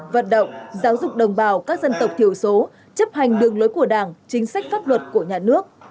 vận động giáo dục đồng bào các dân tộc thiểu số chấp hành đường lối của đảng chính sách pháp luật của nhà nước